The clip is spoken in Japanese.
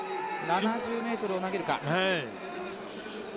７０ｍを投げるか。